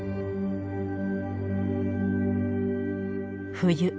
冬。